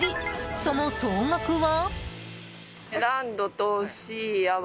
その総額は？